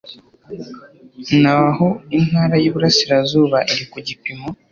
naho intara y' uburasirazuba iri ku gipimo